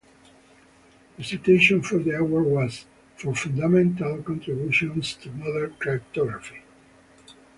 The citation for the award was: For fundamental contributions to modern cryptography.